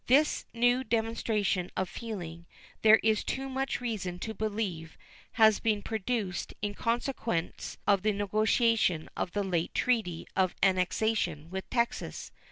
This new demonstration of feeling, there is too much reason to believe, has been produced in consequence of the negotiation of the late treaty of annexation with Texas.